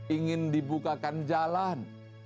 ingin dibukakan jalan